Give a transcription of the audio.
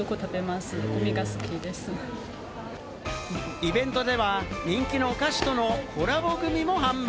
イベントでは、人気のお菓子とのコラボグミも販売。